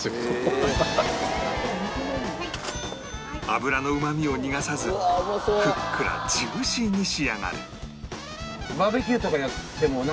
脂のうまみを逃がさずふっくらジューシーに仕上がる